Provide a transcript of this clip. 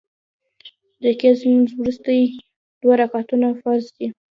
د ګهیځ لمونځ وروستي دوه رکعتونه فرض دي